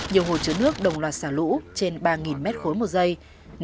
nhiều hồ chữa nước đồng loạt xả lũ trên ba m m accomplishment of over ba expenses every second